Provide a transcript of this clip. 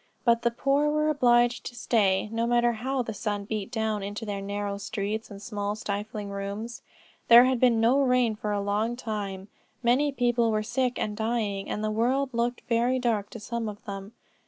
But the poor were obliged to stay, no matter how the sun beat down into their narrow streets and small stifling rooms. There had been no rain for a long time; many people were sick and dying, and the world looked very dark to some of them.